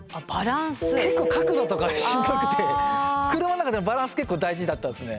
結構角度とかしんどくて車の中でのバランス結構大事だったですね。